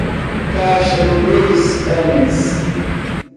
Caixa de dois homens.